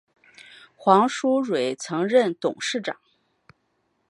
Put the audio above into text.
黄书锐曾任董事长。